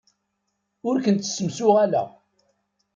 Ur kent-ssemsuɣaleɣ.